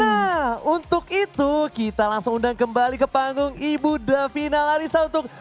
nah untuk itu kita langsung undang kembali ke panggung ibu davina larissa untuk